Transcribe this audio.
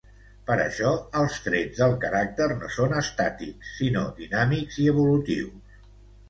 Per això, els trets del caràcter no són estàtics sinó dinàmics i evolutius.